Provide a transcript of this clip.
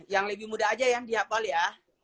yang lebih mudah aja yang di hafal ya